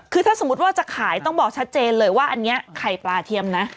คือถ้าสมมุติว่าจะขายต้องบอกชัดเจนเลยว่าอันนี้ไข่ปลาเทียมนะ